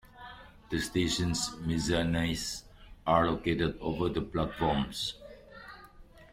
The station's mezzanines are located over the platforms.